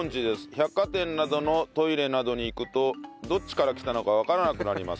百貨店などのトイレなどに行くとどっちから来たのかわからなくなります。